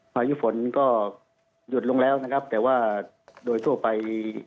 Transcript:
พายุฝนก็หยุดลงแล้วนะครับแต่ว่าโดยทั่วไป